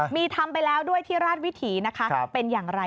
มีทำไปแล้วด้วยที่ราชวิถีนะคะเป็นอย่างไร